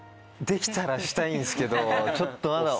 できたらしたいんすけどちょっとまだ。